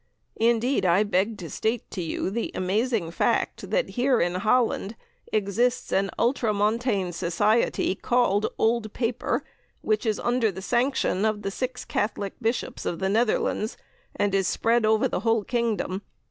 Indeed, I beg to state to you the amazing fact that here in Holland exists an Ultramontane Society called 'Old Paper,' which is under the sanction of the six Catholic Bishops of the Netherlands, and is spread over the whole kingdom.